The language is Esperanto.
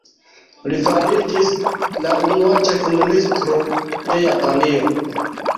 Li fariĝis la unua Ĉefministro de Japanio.